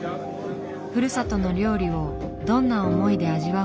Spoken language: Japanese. ふるさとの料理をどんな思いで味わうのか。